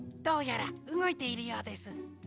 どうやらうごいているようです。